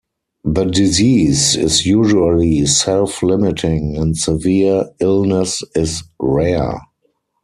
The disease is usually self-limiting, and severe illness is rare.